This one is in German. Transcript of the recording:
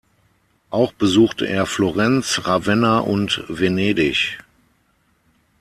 Auch besuchte er Florenz, Ravenna und Venedig.